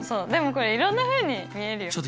でもこれいろんなふうに見える。